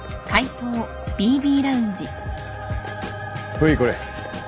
ほいこれ。